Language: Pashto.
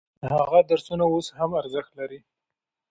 هغه درسونه اوس هم ارزښت لري.